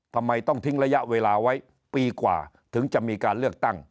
ทำไมต้องทิ้งระยะเวลาไว้ปีกว่าถึงจะมีการเลือกตั้ง